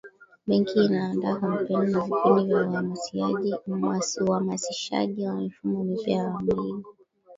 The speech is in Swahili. benki inaandaa kampeni na vipindi vya uhamasishaji wa mifumo mipya ya malipo